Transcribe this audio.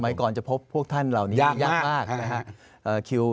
สมัยก่อนจะพบพวกท่านเหล่านี้ยากมาก